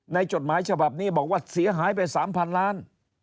จดหมายฉบับนี้บอกว่าเสียหายไป๓๐๐๐ล้าน